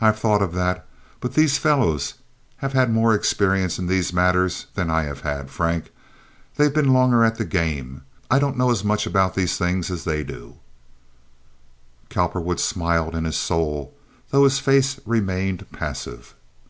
"I've thought of that. But these fellows have had more experience in these matters than I have had, Frank. They've been longer at the game. I don't know as much about these things as they do." Cowperwood smiled in his soul, though his face remained passive.